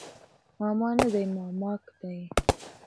ماما نه دی مامک دی